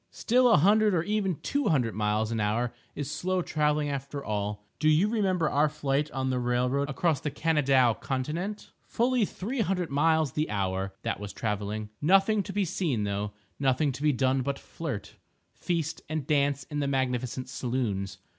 Still a hundred or even two hundred miles an hour is slow travelling after all. Do you remember our flight on the railroad across the Kanadaw continent?—fully three hundred miles the hour—that was travelling. Nothing to be seen though—nothing to be done but flirt, feast and dance in the magnificent saloons.